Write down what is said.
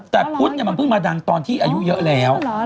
แต่พุทธมันเพิ่งมาดังตอนที่อายุเยอะแล้ว